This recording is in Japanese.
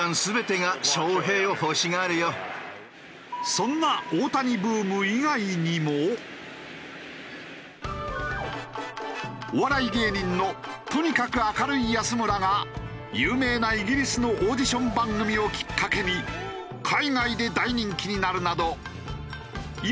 そんなお笑い芸人のとにかく明るい安村が有名なイギリスのオーディション番組をきっかけに海外で大人気になるなど今